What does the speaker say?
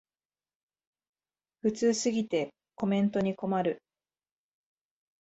普通すぎてコメントに困る